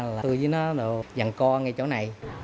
với nó đồ dằn co ngay chỗ này